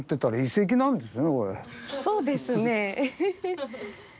そうです。